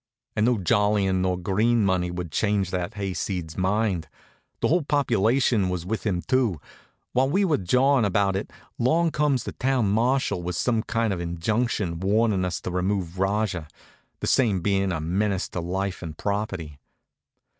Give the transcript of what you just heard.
An' no jollyin' nor green money would change that hayseed's mind. The whole population was with him too. While we were jawin' about it, along comes the town marshal with some kind of injunction warnin' us to remove Rajah, the same bein' a menace to life and property.